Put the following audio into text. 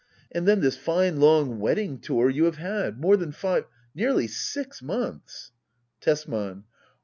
And then this fine long wedding tour you have had ! More than five — nearly six months Tesman.